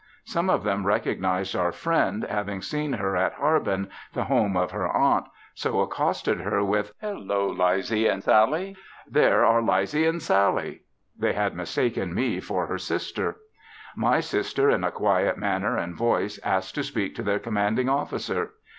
Some of them recognized our friend, having seen her at Harbin, the home of her aunt, so accosted her with "Halloo Leize and Sallie. There are Leize and Sallie." They had mistaken me for her sister. My sister in a quiet manner and voice asked to speak to their commanding officer.